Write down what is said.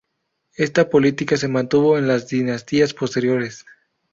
Esta política se mantuvo en las dinastías posteriores.